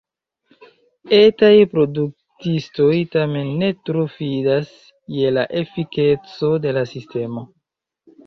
Etaj produktistoj tamen ne tro fidas je la efikeco de la sistemo.